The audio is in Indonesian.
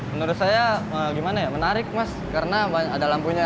menurut saya gimana ya menarik mas karena ada lampunya